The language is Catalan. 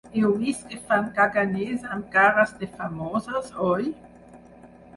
Heu vist que fan caganers amb cares de famosos, oi?